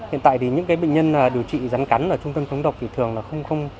hiện tại thì những bệnh nhân điều trị rắn cắn ở trung tâm chống độc thì thường là không